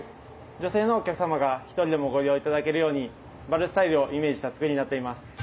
女性のお客様が１人でもご利用頂けるようにバルスタイルをイメージした作りになっています。